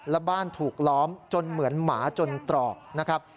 และบ้านถูกล้อมจนเหมือนหมาจนตรอกนะครับ